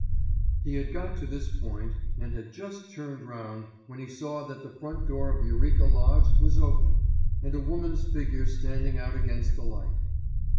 He had got to this point, and had just turned round, when he saw that the front door of Eureka Lodge was open and a woman's figure standing out against the light.